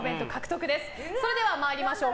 それでは、参りましょう。